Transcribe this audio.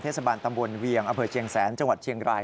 เทศบาลตำบลเวียงอำเภอเชียงแสนจังหวัดเชียงราย